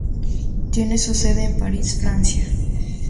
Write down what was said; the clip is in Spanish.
Tiene su sede en París, Francia.